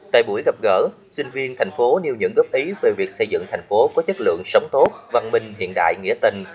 tại buổi gặp gỡ sinh viên thành phố nêu những góp ý về việc xây dựng thành phố có chất lượng sống tốt văn minh hiện đại nghĩa tình